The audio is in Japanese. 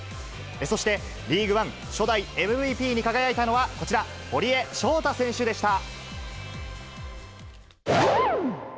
そして、リーグワン初代ＭＶＰに輝いたのは、こちら、堀江翔太選手でした。